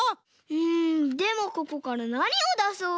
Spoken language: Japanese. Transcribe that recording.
うんでもここからなにをだそう？